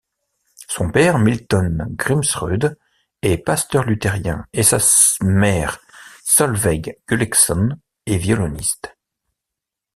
Son père Milton Grimsrud est pasteur luthérien et sa mère Solveig Gullixon est violoniste.